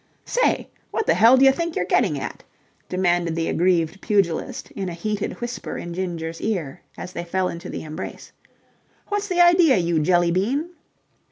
"Say, what the hell d'ya think you're getting at?" demanded the aggrieved pugilist in a heated whisper in Ginger's ear as they fell into the embrace. "What's the idea, you jelly bean?"